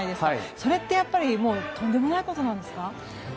それってやっぱりとんでもないことなんですか。